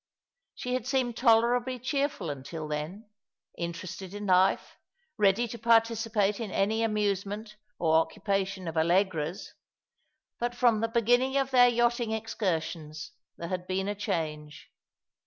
She had seemed tolerably cheerful until then, interested in life, ready to participate in any amuse ment or occupation of Allegra's ; but from the beginning of their yachting excursions there had been a change.